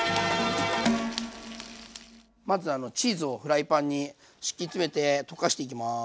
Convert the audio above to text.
まずチーズをフライパンに敷き詰めて溶かしていきます。